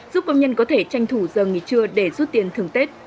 giúp công nhân có thể tranh thủ giờ nghỉ trưa để rút tiền thường tết